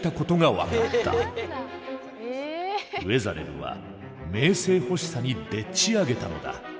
ウェザレルは名声欲しさにでっちあげたのだ。